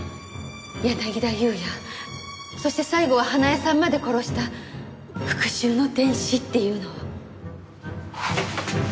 柳田裕也そして最後は花絵さんまで殺した復讐の天使っていうのは。